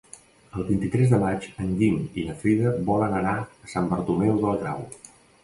El vint-i-tres de maig en Guim i na Frida volen anar a Sant Bartomeu del Grau.